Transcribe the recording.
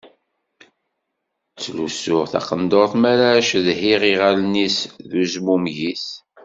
Ttlusuɣ taqendurt mi ara cedhiɣ iɣallen-is d uzmumeg-is.